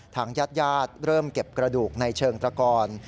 ทางญาติญาติเริ่มเก็บกระดูกในเชิงตระกอน